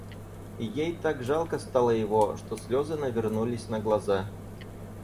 И ей так жалко стало его, что слезы навернулись на глаза.